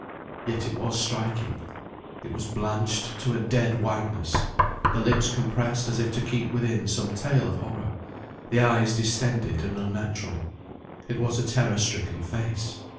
Yet it was striking. It was blanched to a dead whiteness; the lips compressed as if to keep within some tale of horror; the eyes distended and unnatural. It was a terror stricken face.